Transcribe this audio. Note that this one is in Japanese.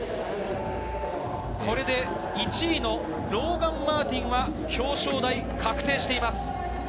これで１位のローガン・マーティンは表彰台、確定しています。